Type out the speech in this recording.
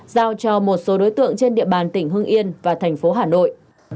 giao cho một số đối tượng trên địa bàn tỉnh hưng yên và thành phố hà nội